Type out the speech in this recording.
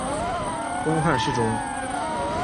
东汉侍中。